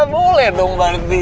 boleh dong pasti